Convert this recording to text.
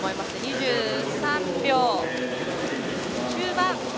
２３秒中盤。